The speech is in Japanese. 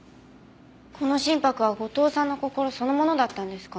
この真柏は後藤さんの心そのものだったんですかね？